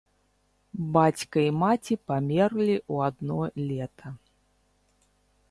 Бацька і маці памерлі ў адно лета.